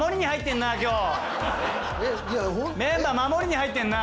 メンバー守りに入ってんな！